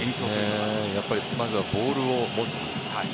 まずはボールを持つ。